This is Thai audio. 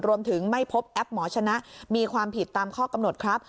รวมถึงไม่พบแอปหมอชนะมีความผิดตามข้อกำหนดครับ